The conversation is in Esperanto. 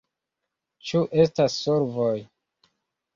Ĉu estas solvoj?